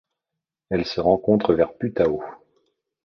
Elle se rencontre vers Putao.